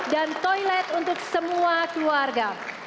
dan toilet untuk semua keluarga